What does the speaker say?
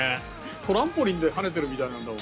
トランポリンで跳ねてるみたいなんだもん。